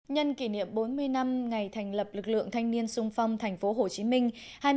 nhân kỷ niệm bốn mươi năm ngày thành lập lực lượng thanh niên sung phong thành phố hồ chí minh